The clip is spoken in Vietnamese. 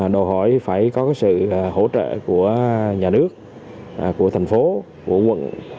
đòi hỏi phải có sự hỗ trợ của nhà nước của thành phố của quận